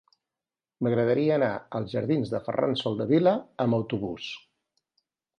M'agradaria anar als jardins de Ferran Soldevila amb autobús.